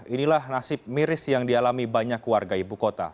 inilah nasib miris yang dialami banyak warga ibu kota